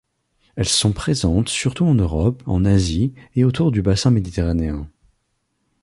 Elles sont présentes surtout en Europe, en Asie et autour du bassin méditerranéen.